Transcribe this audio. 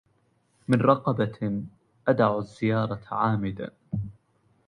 من رقبة أدع الزيارة عامدا